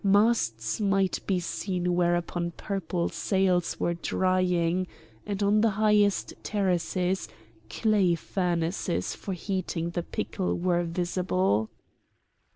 Masts might be seen whereon purple sails were drying, and on the highest terraces clay furnaces for heating the pickle were visible.